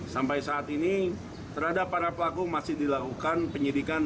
sampai saat ini terhadap para pelaku masih dilakukan penyidikan